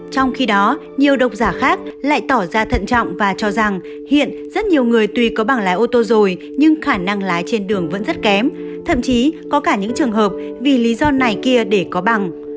trong khi đó nhiều độc giả khác lại tỏ ra thận trọng và cho rằng hiện rất nhiều người tùy có bảng lái ô tô rồi nhưng khả năng lái trên đường vẫn rất kém thậm chí có cả những trường hợp vì lý do này kia để có bằng